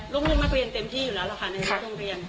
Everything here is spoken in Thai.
โรงเรียนมากเรียนเต็มที่อยู่แล้วนะคะในโรงเรียน